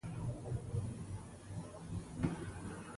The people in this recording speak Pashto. ایا زه باید مالګه وخورم؟